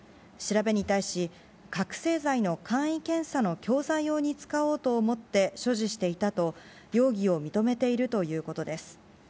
調べに対し、覚醒剤の簡易検査の教材用に使おうと思って所持していたと、容疑を認めているということです。